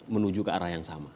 menuju ke arah yang sama